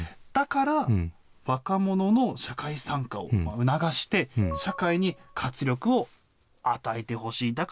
だから、若者の社会参加を促して、社会に活力を与えてほしい。